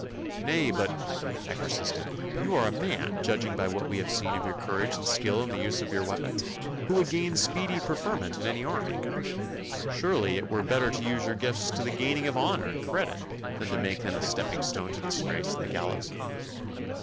'Nay! but,' I persisted, 'you are a man, judging from what we have seen of your courage and skill in the use of your weapons, who would gain speedy preferment in any army. Surely it were better to use your gifts to the gaining of honour and credit, than to make them a stepping stone to disgrace and the gallows?